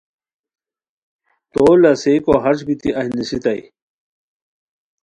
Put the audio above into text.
تو لاسئیکو ہݰ بیتی اہی نیستائے